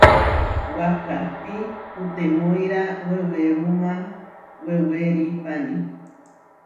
Wakahpí kutemóira wewéruma wewerípani.